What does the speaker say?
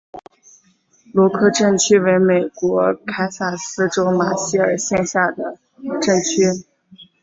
罗克镇区为美国堪萨斯州马歇尔县辖下的镇区。